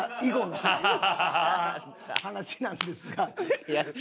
の話なんですが。